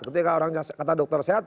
ketika orang kata dokter sehat